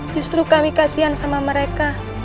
justru kami kasihan sama mereka